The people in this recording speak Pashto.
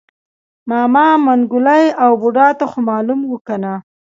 ماما منګلی او بوډا ته خومالوم و کنه.